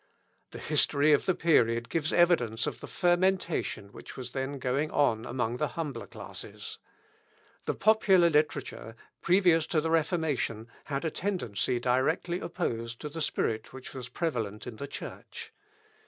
The history of the period gives evidence of the fermentation which was then going on among the humbler classes. The popular literature, previous to the Reformation, had a tendency directly opposed to the spirit which was prevalent in the Church.